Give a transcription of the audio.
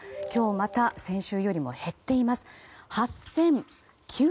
今日また先週よりも減っています。